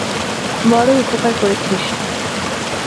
বড় উপকার করেছিস!